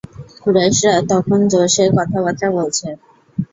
কুরাইশরা তখন বসে কথাবার্তা বলছে।